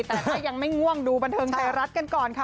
แต่ก็ยังไม่ง่วงดูบันเทิงไทยรัฐกันก่อนค่ะ